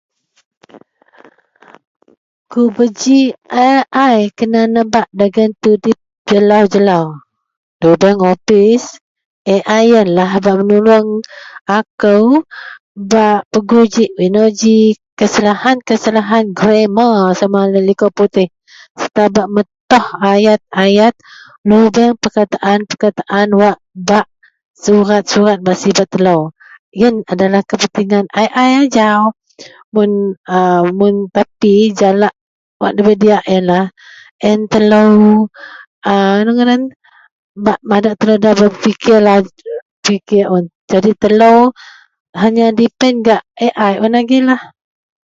Kuba ji AI kena nebak dagen tudip jelau jelau lobeng opis AI iyenlah bak menolong akou bak pegui ji ino ji kesalahan kesalahan grama sama laei liko putih serta bak metoh ayat ayat lobeng perkataan perkataan wak bak surat surat wak bak sibet telo iyenlah adalah kepenting AI ajau mun parti jalak wak dabei diyak iyen telo a ino ngadan bak madak telo da ba pikir un jadi telo hanya depen un gak AI unlah.